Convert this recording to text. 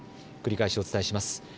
繰り返しお伝えします。